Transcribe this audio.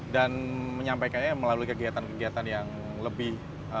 dan menyampaikannya melalui kegiatan kegiatan yang lebih